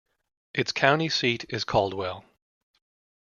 Its county seat is Caldwell.